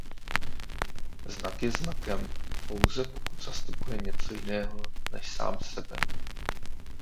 Znak je znakem pouze pokud zastupuje něco jiného než sám sebe.